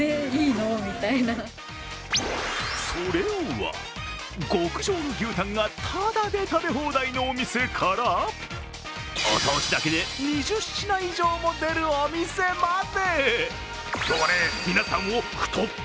それは極上の牛タンがただで食べ放題のお店からお通しだけで２０品以上も出るお店まで。